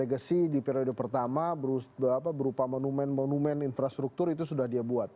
legacy di periode pertama berupa monumen monumen infrastruktur itu sudah dia buat